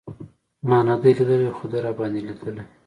ما نه دی لېدلی خو ده راباندې لېدلی.